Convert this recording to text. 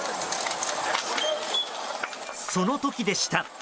その時でした。